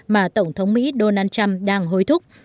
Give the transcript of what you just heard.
mà tổng thống mỹ donald trump đang hối thúc